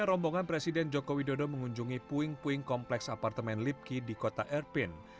perhubungan presiden jokowi dodo mengunjungi puing puing kompleks apartemen lipki di kota erpin